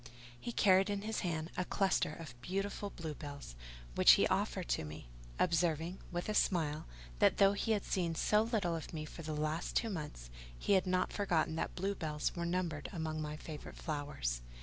He carried in his hand a cluster of beautiful bluebells, which he offered to me; observing, with a smile, that though he had seen so little of me for the last two months, he had not forgotten that bluebells were numbered among my favourite flowers.